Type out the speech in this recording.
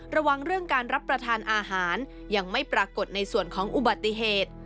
ระวังเรื่องการรับประทานอาหารยังไม่ปรากฏในส่วนของอุบัติเหตุ